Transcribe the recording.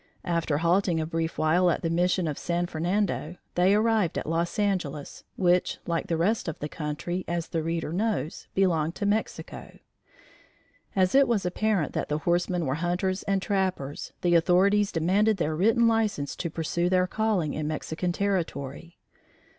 After halting a brief while at the Mission of San Fernando, they arrived at Los Angeles, which like the rest of the country as the reader knows, belonged to Mexico. As it was apparent that the horsemen were hunters and trappers, the authorities demanded their written license to pursue their calling in Mexican territory.